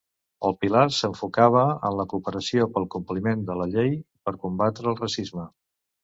El pilar s'enfocava en la cooperació pel compliment de la llei i per combatre el racisme.